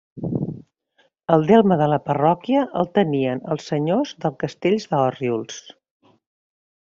El delme de la parròquia el tenien els senyors del castell d'Orriols.